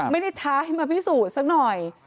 ไม่ได้ท้าให้มาพิสูจน์สักหน่อย